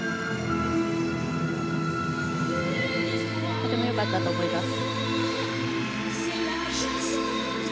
とても良かったと思います。